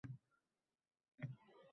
Bashar jarohati